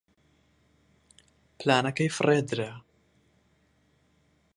پلانەکەی فڕێ درا.